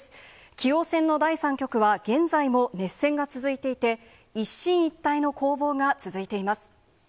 棋王戦の第３局は、現在も熱戦が続いていて、一進一退の攻防が続いています。